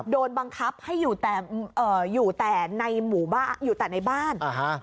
โดนบังคับให้อยู่แต่ในหมู่บ้านอยู่แต่ในบ้าน